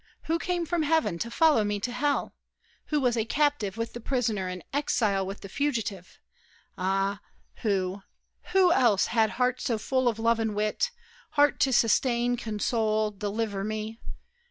Who came from heaven to follow me to hell? Who was a captive with the prisoner, An exile with the fugitive? Ah, who, Who else had heart so full of love and wit, Heart to sustain, console, deliver me?